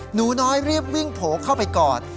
หนูน้อยรีบวิ่งโผล่เข้าไปกอด